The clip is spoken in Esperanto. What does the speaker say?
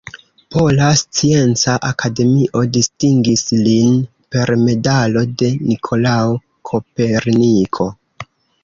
Pola Scienca Akademio distingis lin per medalo de Nikolao Koperniko.